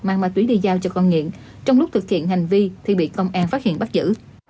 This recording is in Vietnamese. mang ma túy đi giao cho con nghiện trong lúc thực hiện hành vi thì bị công an phát hiện bắt giữ